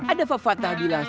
ada fafatah bilang